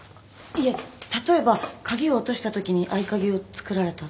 例えば鍵を落としたときに合鍵を作られたとか？